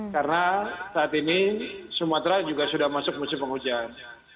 karena saat ini sumatera juga sudah masuk musim hujan